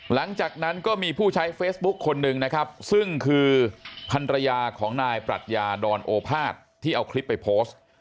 หลังจากนั้นก็มีผู้ใช้เฟซบุ๊คคนหนึ่งนะครับซึ่งคือภรรยาของนายปรัชญาดอนโอภาษที่เอาคลิปไปโพสต์